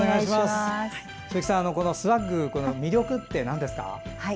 鈴木さん、スワッグの魅力って何ですか。